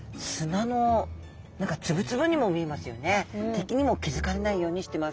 敵にも気付かれないようにしてます。